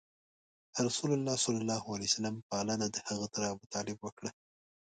رسول الله ﷺ پالنه دهغه تره ابو طالب وکړه.